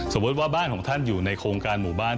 ว่าบ้านของท่านอยู่ในโครงการหมู่บ้าน